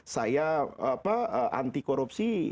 saya anti korupsi